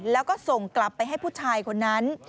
แล้วก็ส่งกลับไปให้ผู้ชายคนนั้น